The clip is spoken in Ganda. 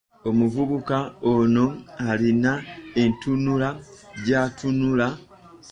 Omuvubuka ono alina entunula gy'atunula.